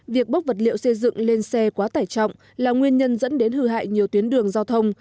việc bốc vật liệu xây dựng lên xe quá tải trọng là nguyên nhân dẫn đến hư hại nhiều tuyến đường giao thông